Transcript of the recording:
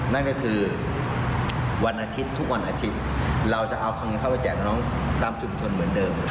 นั่นก็คือวันอาทิตย์ทุกวันอาทิตย์เราจะเอาของเข้าไปแจกน้องตามชุมชนเหมือนเดิม